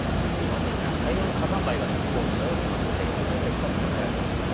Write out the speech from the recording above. まず、大量の火山灰が上空を漂ってますので、その影響、２つ考えられます。